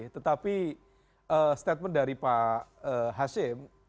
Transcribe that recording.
tetapi statement dari pak hasim